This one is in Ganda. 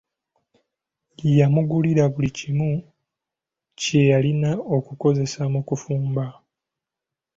Yamugulira buli kimu kye yalina okukozesa mu kufumba.